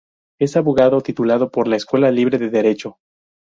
Es abogado titulado por la Escuela Libre de Derecho.